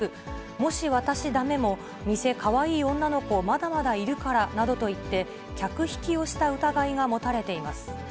もし私だめも、店かわいい女の子、まだまだいるからなどと言って、客引きをした疑いが持たれています。